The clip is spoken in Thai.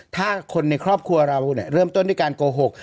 ถ้าคนในครอบครัวเราเริ่มต้นด้วยการโกหก